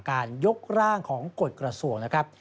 ยกร่างของกฎกระทรวงนะครับ